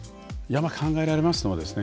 やっぱり考えられますのはですね